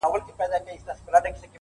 دوه او درې ځایه یې تور وو غوړولی -